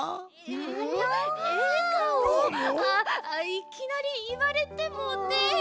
いきなりいわれてもねえ。